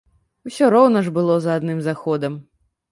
Усё роўна ж было за адным заходам.